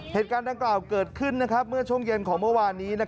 เหตุการณ์ดังกล่าวเกิดขึ้นเมื่อช่วงเย็นของเมื่อวานนี้